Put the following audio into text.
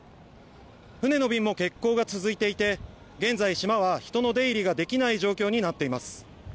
船の便も欠航が続いていて現在、島は人の出入りができない状況になっています。